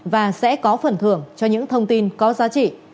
và sẽ có phần thưởng cho những thông tin có giá trị